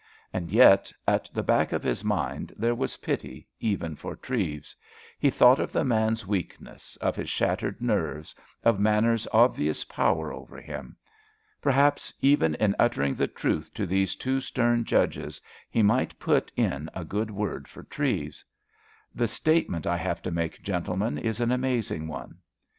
And yet, at the back of his mind, there was pity, even for Treves. He thought of the man's weakness, of his shattered nerves, of Manners's obvious power over him. Perhaps, even in uttering the truth to these two stern judges, he might put in a good word for Treves. "The statement I have to make, gentlemen, is an amazing one."